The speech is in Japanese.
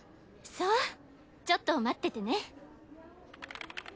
そうちょっと待っててね。